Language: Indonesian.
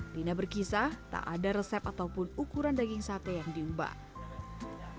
lina berkisah tak ada resep ataupun ukuran daging sate yang diubah